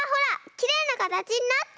きれいなかたちになった！